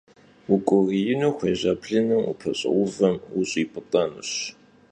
Vuk'uriinu xuêja blınım vupeş'euvem vuş'ip'ıt'enuş.